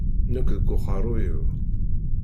Nekk deg uqerruy-iw.